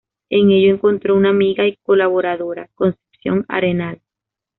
En ello encontró una amiga y colaboradora, Concepción Arenal.